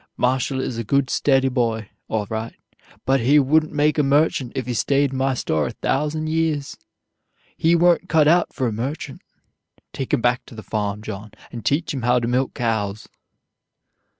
Marshall is a good, steady boy, all right, but he wouldn't make a merchant if he stayed in my store a thousand years. He weren't cut out for a merchant. Take him back to the farm, John, and teach him how to milk cows!"